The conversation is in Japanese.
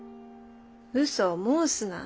うそを申すな。